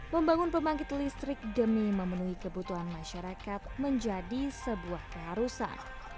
membangun pembangkit listrik demi memenuhi kebutuhan masyarakat menjadi sebuah keharusan